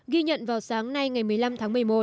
ghi nhận vào sáng nay ngày một mươi năm tháng một mươi một